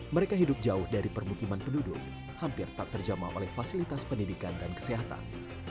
mereka hidup jauh dari permukiman penduduk hampir tak terjamah oleh fasilitas pendidikan dan kesehatan